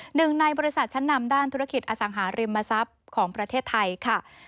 หนึ่งในบริษัทชั้นนำด้านธุรกิจอสังหาริมทรัพย์ของประเทศไทยค่ะ